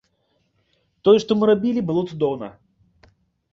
Тое, што мы рабілі, было цудоўна.